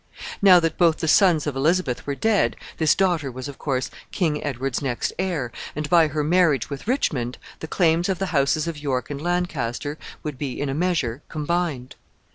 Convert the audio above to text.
Now that both the sons of Elizabeth were dead, this daughter was, of course, King Edward's next heir, and by her marriage with Richmond the claims of the houses of York and Lancaster would be, in a measure, combined.